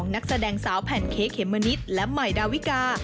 นักแสดงสาวแผ่นเค้กเขมมะนิดและใหม่ดาวิกา